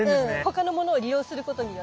他のものを利用することによって。